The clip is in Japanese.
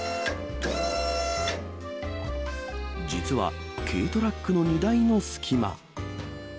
実は軽トラックの荷台の隙間。